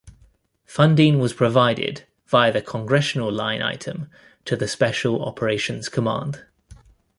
Funding was provided via Congressional line item to the Special Operations Command.